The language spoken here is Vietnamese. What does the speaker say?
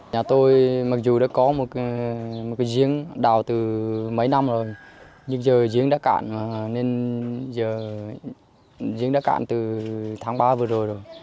nhà tôi mặc dù đã có một cái giếng đào từ mấy năm rồi nhưng giờ giếng đã cạn nên giờ giếng đã cạn từ tháng ba vừa rồi rồi